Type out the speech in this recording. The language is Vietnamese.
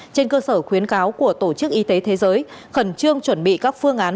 trên cơ sở khuyến cáo của tổ chức y tế thế giới khẩn trương chuẩn bị các phương án